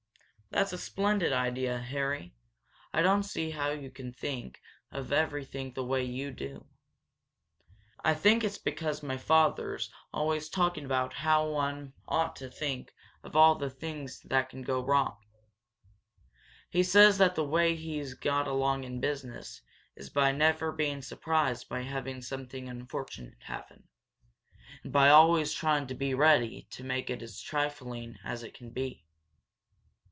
"That's a splendid idea, Harry. I don't see how you think of everything the way you do." "I think it's because my father's always talking about how one ought to think of all the things that can go wrong. He says that's the way he's got along in business is by never being surprised by having something unfortunate happen, and by always trying to be ready to make it as trifling as it can be."